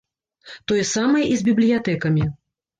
Тое самае і з бібліятэкамі.